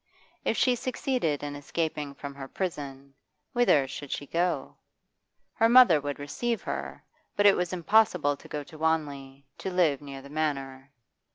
If she succeeded in escaping from her prison, whither should she go? Her mother would receive her, but it was impossible to go to Wanley, to live near the Manor.